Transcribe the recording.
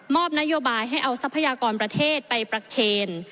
นโยบายให้เอาทรัพยากรประเทศไปประเคน